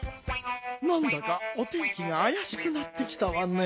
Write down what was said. なんだかお天気があやしくなってきたわね。